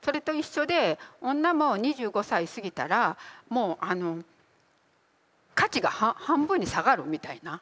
それと一緒で女も２５歳過ぎたらもう価値が半分に下がるみたいな。